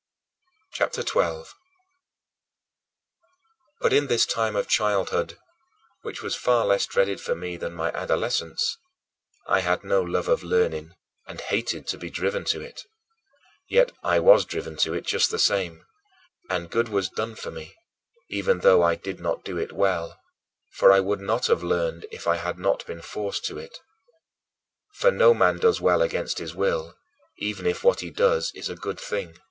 CHAPTER XII 19. But in this time of childhood which was far less dreaded for me than my adolescence I had no love of learning, and hated to be driven to it. Yet I was driven to it just the same, and good was done for me, even though I did not do it well, for I would not have learned if I had not been forced to it. For no man does well against his will, even if what he does is a good thing.